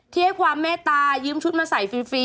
ให้ความเมตตายืมชุดมาใส่ฟรี